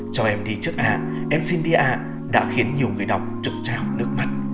cho em đi trước ạ em xin đi ạ đã khiến nhiều người đọc trực trao nước mặt